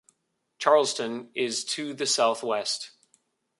Charleston is to the southwest.